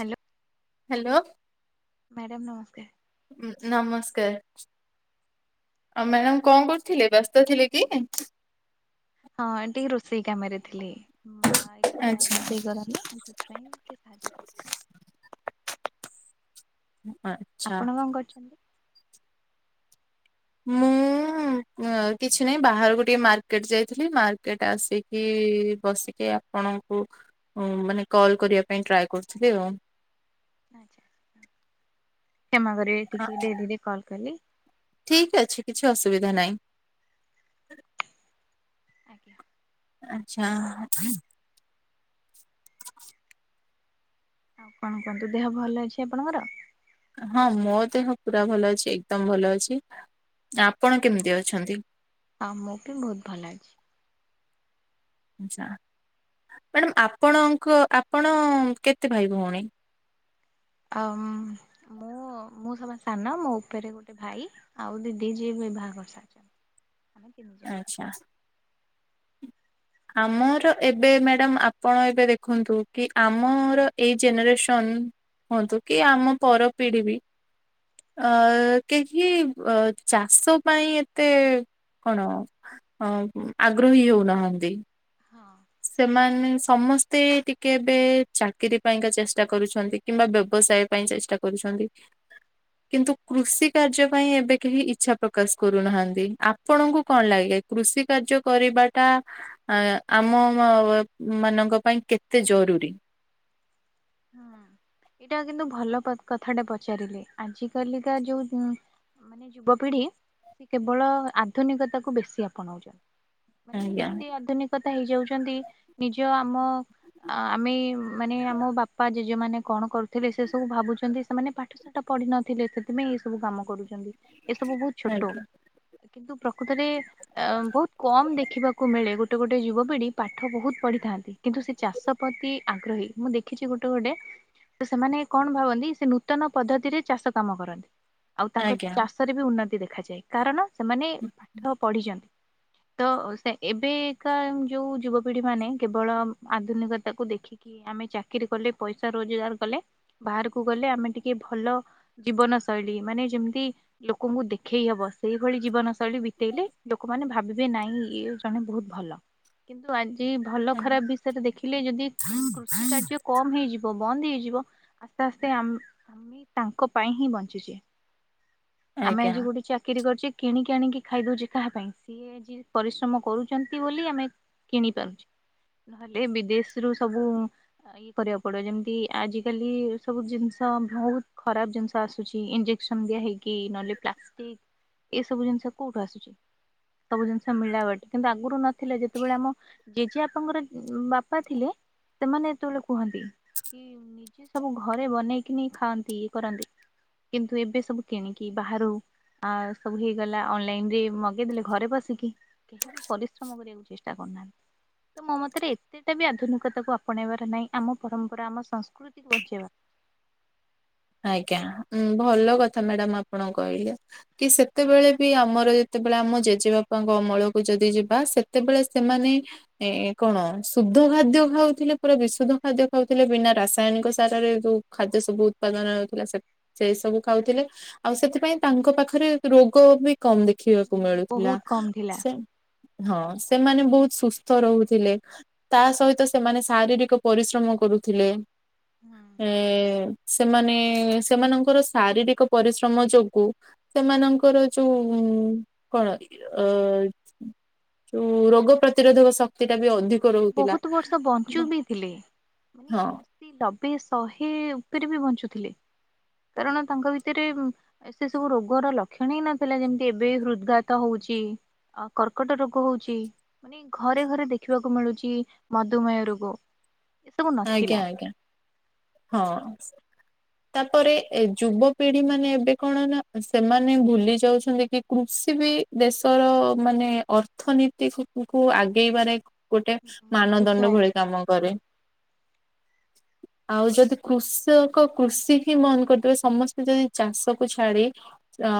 Hello. Hello. Madam ନମସ୍କାର। ହ ନମସ୍କାର। ଆଉ ମ୍ୟାଡାମ କଣ କରୁଥିଲେ ବ୍ୟସ୍ତ ଥିଲେ କି? ହଁ ଟିକେ ରୋଷେଇ କାମରେ ଥିଲି ମା ଏକା ଆଚ୍ଛା। ରୋଷେଇ କରନ ସେଥିପାଇଁ ଟିକେ ଶାହାଯ୍ୟ ହ ହଁ। ଆପଣ କଣ କରୁଛୁ? ମୁଁ କିଛି ନାହିଁ ବାହାରୁ ଟିକେ ମାର୍କେଟ ଯାଇଥିଲି ମାର୍କେଟ ଆସିକି ବସିକି ଆ ପଣଙ୍କୁ ମାନେ କଲ୍ କରିବା ପାଇଁ ଟ୍ରାଏ କରୁଥିଲି ଆଉ। ଆଚ୍ଛା କ୍ଷମା କରିବେ ହଁ, ଟିକେ ଡେରିରେ କଲ୍ କଲି। ଠିକ ଅଛି କିଛି ଅସୁବିଧା ନାହିଁ। ଆଜ୍ଞା। ଆଚ୍ଛା। ଆଉ କଣ କୁହନ୍ତୁ ଦେହ ଭଲ ଅଛି ଆପଣଙ୍କର? ହଁ ମୋ ଦେହ ପୁରା ଭଲ ଅଛି ଏକଦମ ଭଲ ଅଛି ଆପଣ କେମିତି ଅଛନ୍ତି? ହଁ ମୁଁ ବି ବହୁତ ଭଲ ଅଛି। ଆଚ୍ଛା ମ୍ୟାଡ଼ାମ ଆପଣଙ୍କ ଆପଣ କେତେ ଭାଇ ଭଉଣୀ? ଆଁମ୍ ମୁଁ ମୁଁ ସବା ସାନ ମୋ ଉପରେ ଗୋଟେ ଭାଇ ଆଉ ଦିଦି ଯିଏ ବି ବିବାହ କରିସାର ଆଚ୍ଛା। ଆମର ଏବେ ମ୍ୟାଡ଼ାମ ଆପଣ ଏବେ ଦେଖନ୍ତୁ କି ଆମର ଏଇ ଜେନେରେସନ୍ ହୁଅନ୍ତୁ କି ଆମ ପରପିଢ଼ି ବି ଅ କେହି ଚାଷ ପାଇଁ ଏତେ ଅ ଆଗ୍ରହୀ ହଉନାହାନ୍ତି ହଁ ସେମା ସମସ୍ତେ ଟିକେ ଏବେ ଚାକିରି ପାଇଁକା ଚେଷ୍ଟା କରୁଛନ୍ତି କିମ୍ବା ବ୍ୟବସାୟ। ପାଇଁ ଚେଷ୍ଟା କରୁଛନ୍ତି। କିନ୍ତୁ କୃଷି କାର୍ଯ୍ୟ ପାଇଁ ଏବେ କେହି ଇଚ୍ଛା ପ୍ରକାଶ କରୁନାହାନ୍ତି ଆପଣଙ୍କୁ କଣ ଲାଗେ? କୃଷି କାର୍ଯ୍ୟ କରିବାଟା ଆମ ମାନଙ୍କ ପାଇଁ କେତେ ଜରୁରୀ? ହୁଁ ଏଇଟା କିନ୍ତୁ ଭଲ କ କଥାଟା ପଚାରିଲେ ଆଜି କାଲିକା ଯୋଉ ମାନେ ଯୁବପିଢି ସେ କେବଳ ଆଧୁନିକତା କୁ ବେଶି ଆପଣାଉଛନ୍ତି। ମାନେ ଆଜ୍ଞା ଏତେ ଆଧୁନିକତା ହେଇଯାଉଛନ୍ତି ନିଜ ଆମ ଆମେ ମାନେ ଆମ ବାପା ଜେଜେମାନେ କଣ କରୁଥିବେ ସେ ସବୁ ଭାବୁଛନ୍ତି ସେମାନେ ପାଠ ସେଟା ପଢିିନଥିଲେ ସେଥିପାଇଁ ଏଇ ସବୁ କାମ କରୁଛନ୍ତି ଏସବୁ ବହୁତ ଛୋଟ। ଆଜ୍ଞା କିନ୍ତୁ ପ୍ରକୃତରେ ଅ ବହୁତ କମ୍ ଦେଖିବାକୁ ମିଳେ ଗୋଟେ ଗୋଟେ ଯୁବପିଢି ପାଠ ବହୁତ ପଢିଥାନ୍ତି। କିନ୍ତୁ ସେ ଚାଷ ପ୍ରତି ଆଗ୍ରହୀ ମୁଁ ଦେଖିଛି ଗୋଟେ ଟେ ତ ସେମାନେ କଣ ଭାବନ୍ତି ସେ ନୂତନ ପଦ୍ଧତିରେ ଚାଷ କାମ କରନ୍ତି। ଆଉ ତାଙ୍କ ଆଜ୍ଞା ଚାଷରେ ବି ଉନ୍ନତି ଦେଖାଯାଏ କାରଣ ସେମାନେ ପାଠ ପଢିଛନ୍ତି। ତ ସେ ଏବେ କା ଯୋଉ ଯୁବପିଢି ମାନେ କେବଳ ଆଧୁନିକତାକୁୁ ଦେଖିକି କି ଆମେ ଚାକିର କଲେ ପଇସା ରୋଜଗାର କଲେ ବାହାରକୁ ଗଲେ ଆମେ ଟିକେ ଭଲ ଜୀବନ ଶୈଳୀ ମାନେ ଯେମିତି ଲୋକଙ୍କୁ ଦେଖେଇ ହବ ସେଇଭଳି ଜୀବନ ଶୈ ଶୀ ବିତେଇଲେ ଲୋକମାନେ ଭାବିବେ ନାଇଁ ଇ ଜଣେ ବହୁତ ଭଲ କିନ୍ତୁ ଆଜି ଭଲ ଖରାପ ବିଷୟରେ ଦେଖିଲେ ଯଦି କୃଷି କାର୍ଯ୍ୟ କମ ହେଇଯିବ। ବନ୍ଦ ହେଇଯିବ ଆସ୍ତେ ଆସ୍ତେ ଆମେ ତାଙ୍କ ପାଇଁ ହିଁ ବଞ୍ଚିଛେ। ଆମେ ଆଜ୍ଞା ଆଜି ଗୋଟେ ଚାକିରି କରିଛେ କିଣିକି ଆଣିକି ଖାଇଦଉଛେ କାହା ପାଇଁ ସିଏ ପରିଶ୍ରମ କରୁଛନ୍ତି ବୋଲି ଆମେ କିଣି ପାରୁଛେ। ନହେଲେ ବିଦେଶ ରୁ ସବୁ ଇଏ କରିବାକୁ କପଡ଼ ଯେମିତି ଆଜିକାଲି ସବୁ ଜିନିଷ ବହୁତ ଖରାପ ଜିନିଷ ଆସୁଛି ଇଞ୍ଜେକ୍ସନ ଦିଆ ହେଇକି। କି ନହେଲେ ପ୍ଲାଷ୍ଟିକ ଏସବୁ ଜିନିଷ କୋଉଠୁ ଆସୁଛି? ସବୁ ଜିନିଷ ମିଲାବଟ୍ କିନ୍ତୁ ଆଗରୁ ନ ଥିଲା ଯେତେବେଳେ ଆମ ଜେଜେବାପାଙ୍କର ବାପା ଥିଲେ ସେମାନେ ଯେତେବେଳେ କୁହନ୍ତି। କି ନିଜେ ସବୁ ଘରେ ବନେଇକିନି ଖାଆନ୍ତି ଇଏ କରନ୍ତି। କିନ୍ତୁ ଏବେ ସବୁ କିଣିକି ବାହାରୁ ଆଉ ସବୁ ହେଇଗଲା ଅନଲାଇନ ରେ ମଗେଇଦେଲେ ଘରେ ବସିକି। କେହି ବି ପରିଶ୍ରମ କରିବାକୁ ଚେଷ୍ଟା କରୁନାହାନ୍ତି। ତ ମୋ ମତରେ ଏତେଟା ବି ଆଧୁନିକତାକୁ ଆପଣେଇବାର ନାହିଁ ଆମ ପରମ୍ପରା ଆମ ସଂସ୍କୃତିକୁ ବଞ୍ଚେଇବା। ଆଜ୍ଞା ଉ ଭଲ କଥା ମ୍ୟାଡାାମ ଆପଣ କହିଲେ କି ସେତେବେଳେ ବି ଆମର ଯେତେବେଳେ ଆମ ଜେଜେବାପାଙ୍କ ଅମଳକୁ ଯଦି ଯିବା ସେତେବେଳେ ସେମାନେ ଏ କଣ ଶୁଦ୍ଧ ଖାଦ୍ୟ ଖାଉଥିଲେ ପୁରା ବିଶୁଦ୍ଧ ଖାଦ୍ୟ ଖାଉଥିଲେ ବିନା ରାସାୟନିକ ସାରରେ ଯୋଉ ଖାଦ୍ୟ ସବୁ ଉତ୍ପାଦନ ହେଉଥିଲା ସେ ସେଇ ସବୁ ଖାଉଥିଲେ ଆଉ ସେଥିପାଇଁ ତାଙ୍କ ପାଖରେ ରୋଗ ବି କମ ଦେଖିବାକୁ ମିଳୁଥିଲା ବହୁତ କମ ଥିଲା। ସେ, ହଁ ସେମାନେ ବହୁତ ସୁସ୍ଥ ରହୁଥିଲେ। ତା ସହିତ ସେମାନେ ଶାରୀରିକ ପରିଶ୍ରମ କରୁଥିଲେ। ଏ [inaudible] ସେମାନେ ସେମାନଙ୍କର ଶାରୀରିକ ପରିଶ୍ରମ ଯୋଗୁ, ସେମାନଙ୍କର ଯୋଉ କଣ ଅ ରୋଗ ପ୍ରତିରୋଧକ ଶକ୍ତି ଟା ବି ଅଧିକ ରହୁଥିଲା। ବହୁତ ବର୍ଷ ବଞ୍ଚୁ ବି ଥିଲେ। ହଁ ନବେ ଶହେ ଉପରେ ବି ବଞ୍ଚୁଥିଲେ କାରଣ ତାଙ୍କ ଭିତରେ ଏ ସେ ସବୁ ରୋଗର ଲକ୍ଷଣ ହିଁ ନଥିଲା ଯେମିତି ଏବେ ହୃଦ୍ଘାତ ହଉଛି। ଆଉ କର୍କଟ ରୋଗ ହଉଛି ମାନେ ଘରେ ଘରେ ଦେଖ ଦେଖିବାକୁ ମିଳୁଛି ମଧୁମେହ ରୋଗ ଏସବୁ ଆଜ୍ଞା ନଥିଲା। ଆଜ୍ଞା ହଁ ତାପରେ ଏ ଯୁବପିଢି ମାନେ ଏବେ କଣ ନା ସେମାନେ ଭୁଲି ଯାଉଛନ୍ତି କି କୃଷି ବି ଦେଶର ମାନେ ଅର୍ଥନୀତି କୁ ଆଗେଇବାରେ ଗୋଟେ ବହୁତ ମାନଦଣ୍ଡ ସହାୟକ ଭଳି କାମ କରେ। ଆଉ ଯଦି କୃଷକ କୃଷି ହିଁ ବନ୍ଦ କରିଦିବ ସମସ୍ତେ ଯଦି ଚାଷକୁ ଛାଡି ଅ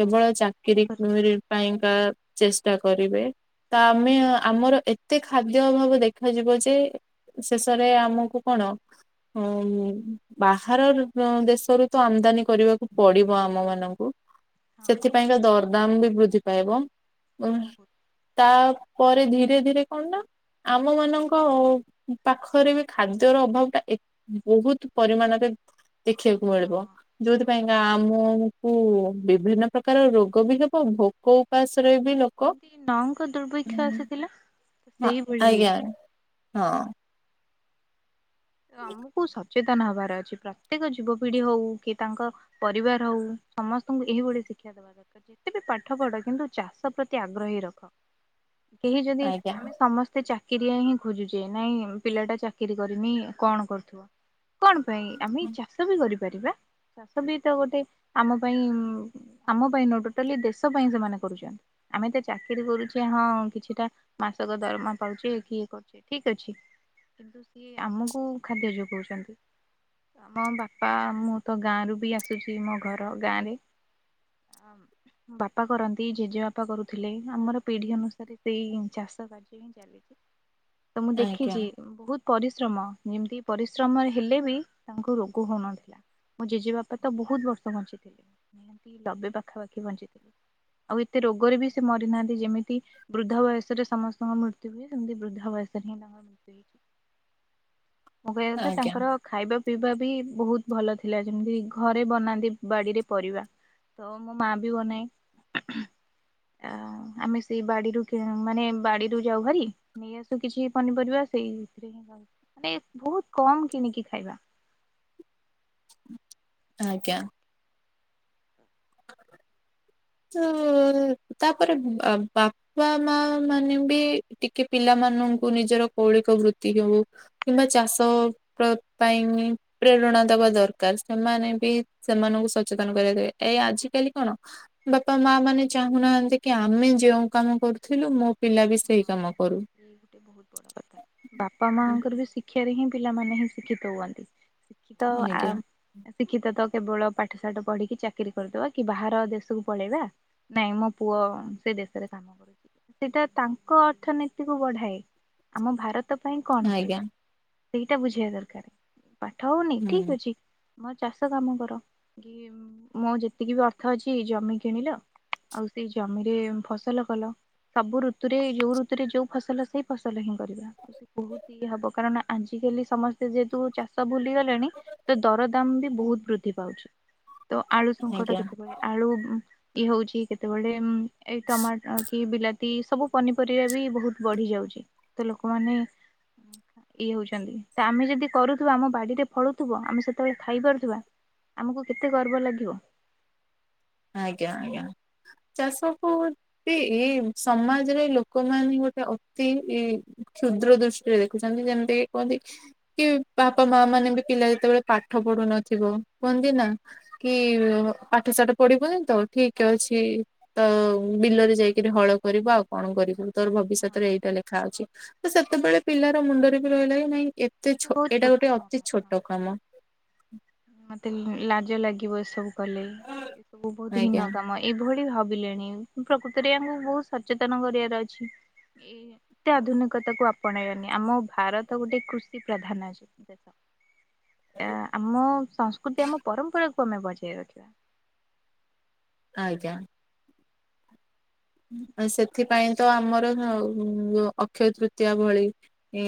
କେବଳ ଆମେ ଚାକିରି ଚାକିର କରିବୁ ହଁ ପାଇଁକା ଚେଷ୍ଟା କରିବେ। ତ ଆମେ ଆମର ଏତେ ଖାଦ୍ୟ ଅଭାବ ଦେଖାଯିବ ଯେ, ଶେଷରେ ଆମକୁ କଣ? [inaudible] ବାହାର ଦେଶରୁ ତ ଆମଦାନୀ କରିବାକୁ ପଡିବ ଆମ ମାନଙ୍କୁ। ସେଥିପାଇଁକା ଦରଦାମ ବି ବୃଦ୍ଧି ପାଇବ। ଉ ବହୁତ ହଁ ତାପରେ ଧୀରେ ଧୀରେ କଣ ନା ଆମ ମାନଙ୍କ ପାଖରେ ବି ଖାଦ୍ୟର ଅଭାବ ବହୁତ ପରିମାଣରେ ଦେଖିବାକୁ ମିଳିବ। ଯୋଉଥିପାଇଁକା ଆମକୁ ବିଭିନ୍ନ ପ୍ରକାର ରୋଗ ବି ହବ ଭୋକ ଉପାସରେ ବି ଲ ନଅଙ୍କ ଦୁର୍ଭକ୍ଷ ଆସିଥିଲା। ହଁ ସେଇଭଳି ଆଜ୍ଞା ହେଇଛି। ହଁ। [unintelligible] ସଚେତନ ହବାର ଅଛି। ପ୍ରତ୍ୟେକ ଯୁବପିଢି ହଉ କି ତାଙ୍କ ପରିବାର ହଉ ସମସ୍ତଙ୍କୁ ଏହିଭଳିଆ ଶିକ୍ଷା ଦବାର ଯେତେ ବି ପାଠ ପଢ କିନ୍ତୁ ଚାଷ ପ୍ରତି ଆଗ୍ରହୀ ରଖ। କେହି ଯଦି ଆଜ୍ଞା ଆମେ ସମସ୍ତେ ଚାକିରିଆ ହିଁ ଖୋଜୁଛେ ନାଇଁ ପିଲା ଟା ଚାକିରି କରିନି କଣ କରୁଥିବ କଣ ପାଇଁ ଆମେ ଚାଷ ବି କରିପାରିବା। ଚାଷ ବି ତ ଗୋଟେ ଆମ ପାଇଁ ଆମ ପାଇଁ ନ ଟୋଟାଲି ଦେଶ ପାଇଁ ସେମାନେ କରୁଛନ୍ତି। ଆମେ ତ ଚାକିରି କରୁଛେ ହଁ କିଛିଟା ମାସକ ଦରମା ପାଉଛେ କିଇଏ କରୁଛ। ଠିକ ଅଛି। କିନ୍ତୁ ସିଏ ଆମକୁ ଖାଦ୍ୟ ଯୋଗଉଛନ୍ତି। ମୋ ବାପା ମୁଁ ତ ଗାଁରୁ ବି ଆସୁଛି ମୋ ଘର ଗାଁରେ। [inaudible] ବାପା କରନ୍ତି ଜେଜେ ବାପା କରୁଥିଲେ ଆମର ପିଢି ଅନୁସାରେ ସେଇ ଚାଷ କାର୍ଯ୍ୟ ହିଁ ତ ମୁଁ ଆଜ୍ଞା ଦେଖିଛି ବହୁତ ପରିଶ୍ରମ। ଯେମିତି ପରିଶ୍ରମରେ ହେଲେ ବି ତାଙ୍କୁ ରୋଗ ହଉନଥିଲା। ମୋ ଜେଜେ ବାପା ତ ବହୁତ ବର୍ଷ ବଞ୍ଚିଥିଲେ ନିହାତି ନବେ ପାଖାପାଖି ବଞ୍ଚିଥିଲେ। ଆଉ ଏତେ ରୋଗରେ ବି ସେ ମରିନାହାନ୍ତି, ଯେମିତି ବୃଦ୍ଧ ବୟସରେ ସମସ୍ତଙ୍କ ମୃତ୍ୟୁଏ ସେମିତି ବୃଦ୍ଧ ବୟସରେ ହିଁ ତାଙ୍କର ମୃତ୍ୟୁ ହେଇଚି। ମୁଁ କହିବା କଥା ଆଜ୍ଞା ତାଙ୍କର ଖାଇବା ପିଇବା ବି ବହୁତ ଭଲ ଥିଲା ଯେମିତି ଘରେ ବନାନ୍ତି ବାଡିରେ ପରିବା ତ ମୋ ମା ବି ବନାଏ। ଆ ଆମେ ସେଇ ବାଡିରୁ କିଣୁ ମାନେ ବାଡିରୁ ଯାଉ ଭାରି ନେଇ ଆସୁ କିଛି ପନିପରିବା ସେଇ [unintelligible] ମାନ ବହୁତ କମ କିଣିକି ଖାଇବା। ଆଜ୍ଞା। ତ- ତାପରେ ବା-ବାପ ମା ମା ମାନେ ବି ଟିକେ ପିଲାମାନଙ୍କୁ ନିଜର କୌଳିକ ବୃତ୍ତି ହଉ କିମ୍ବା ଚାଷ ପାଇଁମି ପ୍ରେରଣା ଦବା ଦରକାର ସେମାନେ ବି ସେମାନଙ୍କୁ ସଚେତନ କରାଯାଏ। ଏଇ ଆଜିକାଲି କଣ ବାପା ମା ମାନେ ଚାହୁଁନାହାନ୍ତି କି ଆମେ ଯୋଉଁ କାମ କରୁଥିଲୁ ମୋ ପିଲା ବି ସେଇ ଓ କାମ କରୁ। ଏଇ ଗୋଟେ ବହୁତ ବଡ କଥା ବାପା ମାଙ୍କର ବି ଶି ଶିକ୍ଷାରେ ହିଁ ପିଲାମାନେ ହିଁ ଶିକ୍ଷିତ ହୁଅନ୍ତି। ଶିକ୍ଷିତ ଆ ଆଜ୍ଞା ଶିକ୍ଷିତ ତ କେବଳ ପାଠ ସାଠ ପଢିକି ଚାକିରି କରିଦବା କି ବାହାର ଦେଶକୁ ପଳେଇବା ନାଇଁ ମୋ ପୁଅ ସେ ଦେଶରେ କାମ କରୁଛି ସେଇଟା ତାଙ୍କ ଙ୍କ ଅର୍ଥନୀତିକୁ ବଢାଏ ଆମ ଭାରତ ପାଇଁ କଣ କରିଛି? ଆଜ୍ଞା ସେଇଟା ବୁଝିବା ଦରକାର ପାଠ ହଉନି ଠିକ ହୁଁ ଅଛି ମୋର ଚାଷ କାମ କର, କି ମୋ ଯେତିକି ବି ଅର୍ଥ ଅଛି ଜମି କିଣିଲ। ଆଉ ସେଇ ଜମିରେ ଫସଲ କଲ। ସବୁ ଋତ ଋତୁରେ ଯୋଉ ଋୁତୁରେ ଯୋଉ ଫସଲ ସେଇ ଫସଲ ହିଁ କରିବା। ବହୁତ ଇ ହବ କାରଣ ଆଜିକାଲି ସମସ୍ତେ ଯେହେତୁ ଚାଷ ଭୁଲିଗଲେଣି ତ ଦରଦାମ ବି ବହୁତ ବୃଦ୍ଧି ପାଉଛି। ତ ଆଳୁ ସଙ୍କଟ ଆଜ୍ଞା କେତେବେଳେ ଆଳୁ ଇଏ ହଉଛି କେତେବେଳେ ଏଇ ଟମାଟୋ କି ବିଲାତି ସବୁ ପନିପରିବା ବି ବହୁତ ବଢ଼ି ଯାଉଛି। ତ ଲୋକମାନେ ଇଏ ହଉଛନ୍ତି ତ ଆମେ ଯଦି କରୁଥିବା ଆମ ବାଡିରେ ଫଳୁଥିବ ଆମେ ସେତେବେଳେ ଖାଇ ପାରୁଥିବା। ଆମକୁ କେତେ ଗର୍ବ ଲାଗିବ। ଆଜ୍ଞା ଆଜ୍ଞା ଚାଷ କୁ ସେ ଏଇ ସମାଜରେ ଲୋକମାନେ ଗୋଟେ ଅତି କ୍ଷୁଦ୍ର ଦୃ ଦେଖୁଛନ୍ତି ଯେମିତିକି କୁହନ୍ତି କି ହଁ ବାପା ମା ମାନେ ବି ପିଲା ଯେତେବେଳେ ପାଠ ପଢୁନଥିବ କୁହନ୍ତି ନା କି ପାଠ ଶାଠ ପଡିବନି ତ ଠିକ ଅଛି ତ ବିଲରେ ଯାଇକିରି ହଳ କରିବୁ ଆଉ କଣ କରିବୁ? ତୋର ହଁ ଭବିଷ୍ୟତରେ ଏଇଟା ଲେଖା ଅଛି ତ ସେତେବେଳେ ପିଲାର ମୁଣ୍ଡରେ ବି ରହିଲା କି ନାଇଁ ବହୁତ ଏଇଟା ଗୋଟେ ଛୋଟ ଅତି କାମ ହଁ। ଛୋଟ କାମ। ମତେ ଲାଜ ଲାଗିବ ଏ ସବୁ କଲେ ଏସବୁ ବହୁତ ହିନ ଆଜ୍ଞା କାମ। ଏଇଭଳି ଭାବିଲେଣି ପ୍ରକୃତରେ ଆମକୁ ବହୁତ ସଚେତନ କରିବାର ଅଛି। ଏତେ ଆଧୁନିକତା କୁ ଆପଣେଇବନି ଆମ ଭାରତ ଗୋଟେ କୃଷି ପ୍ରଧାନ ଅଛି ଦେଶ ଆମ ସଂସ୍କୃତି ଆମ ପରମ୍ପରା ତମେ ବଜାଇ ରଖିବା। ଆଜ୍ଞା। ସେଥିପାଇଁ ତ ଆମର ଅକ୍ଷୟ ତୃତୀୟା ଭଳି ଉ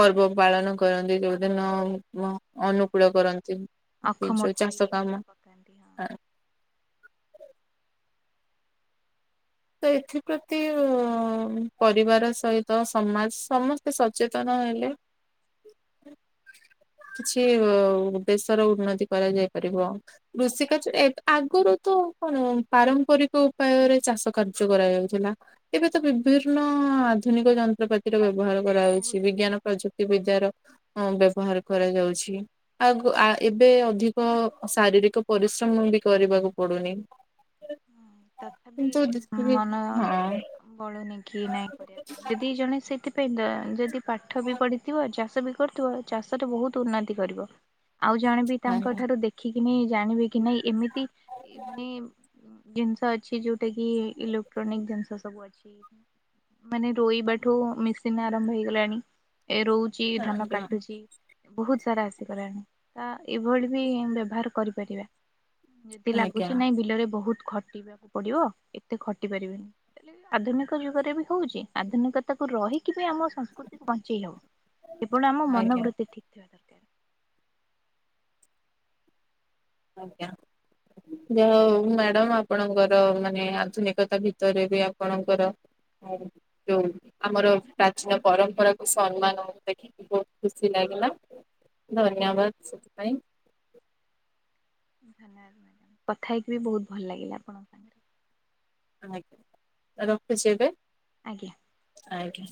ପର୍ବ ପାଳନ କରନ୍ତି ଯୋଉଦିନ ହଁ ଅନୁକୂଳ କରନ୍ତି ଅଖ ଯୋଉ ମୁଠି ଚାଷ ନେଇକି କାମ ପକାନ୍ତି ହଁ ତ ଏଥିପ୍ରତି ପରିବାର ସହିତ ସମାଜ ସମସ୍ତେ ସଚେତନ ହେଲେ କିଛି ଦେଶର ଉନ୍ନତି କରାଯାଇ ପାରିବ। କୃଷି କାର୍ଯ୍ୟରେ ଆଗରୁ ତ କଣ ପାରମ୍ପରିକ ଉପାୟରେ ଚାଷ କାର୍ଯ୍ୟ କରାଯାଉଥିଲା ଏବେ ତ ହଁ ବିଭିନ୍ନ ଆଧୁନିକ ଯନ୍ତ୍ରପାତିର ବ୍ୟବହାର ବହୁତ କରାଯାଉଛି କିଛି ବିଜ୍ଞାନ ପ୍ରଯୁକ୍ତି ବିଦ୍ୟାର ବ୍ୟବହାର କରାଯାଉଛି। ଆଉ ଏବେ ଅଧିକ ଶାରୀରିକ ପରିଶ୍ରମ ବି କରିବାକୁ ପଡୁନି। ହଁ କିନ୍ତୁ ତଥାପି ଯେତିକି ମନ ହଁ। ବଳୁନି କି ନାଇଁ କରିବା ପାଇଁ ଯଦି ଜଣେ ସେଥିପାଇଁ ଯଦି ପାଠ ବି ପଢିଥିବ ଚାଷ ବି କରୁଥିବ ଚାଷରେ ବହୁତ ଉନ୍ନତି କରିବ। ଆଉ ଜଣେ ବି ତାଙ୍କ ଆଜ୍ଞା ଠାରୁ ଦେଖିକିନି ଜାଣିବେ କି ନାଇଁ ଏମିତି ମାନେ ଜିନିଷ ଅଛି ଯୋଉଟା କି ଇଲେକ୍ଟ୍ରୋନିକ ଜିନିଷ ସବୁ ଅଛି। ମାନେ ରୋଇବା ଠୁ ମେସିନ ଆରମ୍ଭ ହେଇଗଲାଣି ଏ ରୋଉଛି ଧାନ ଆଜ୍ଞା କାଟୁଛି। ବହୁତ ସାରା ଆସିଗଲାଣି ତା ଏଇଭଳି ବି ବ୍ୟବହାର କରିପାରିବା। ଯଦି ଆଜ୍ଞା ଲାଗୁଛି ନାଇଁ ବିଲରେ ବହୁତ ଖଟିବାକୁ ପଡିବ ଏତେ ଖଟି ପାରିବେନି ଆଧୁନିକ ଯୁଗରେ ବି ହଉଛି ଆଧୁନିକତାକୁ ରହିକି ବି ଆମ ସଂସ୍କୃତିକୁ ବଞ୍ଚେଇ ହେବ କେବଳ ଆମ ମନୋବୃତ୍ତି ଠିକ୍ ଥିବା ଦରକାର। ଆଜ୍ଞା। ଯାହା ହଉ ମ୍ୟାଡାମ ଆପଣଙ୍କର ମାନେ ଆଧୁନିକତା ଭିତରେ ବି ଆପଣଙ୍କର ଆଉ ଯୋଉ ଆମର ପ୍ରାଚୀନ ପରମ୍ପରାକୁ ସମ୍ମାନ ଦେଖି ବହୁତ ଖୁସି ଲାଗିଲା ଧନ୍ୟବାଦ ସେଥିପାଇଁ ଧନ୍ୟବାଦ ମ୍ୟାଡ଼ାମ କଥା ହେଇକି ବି ବହୁତ ଭଲ ଲାଗିଲା ଆପଣଙ୍କ ସାଙ୍ଗରେ ଆଜ୍ଞା ରଖୁଛି ଏବେ। ଆଜ୍ଞା। ଆଜ୍ଞା।